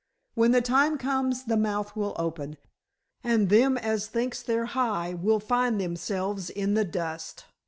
"When the time comes the mouth will open, and them as thinks they're high will find themselves in the dust.